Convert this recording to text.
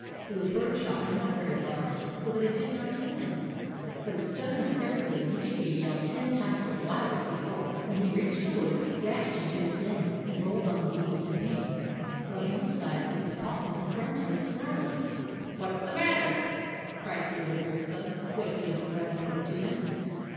It was bird shot and not very large, so that it did not kill him ; but it stung him fearfully, and he gave a yell ten times as loud as before, and plunged off into the fields. When he reached the woods, he dashed into his den, and rolled on the leaves in pain, rubbing his sides with his paws, and grunting and snarling. " What's the matter?" cried his little wolf cub, waking up and running over to him.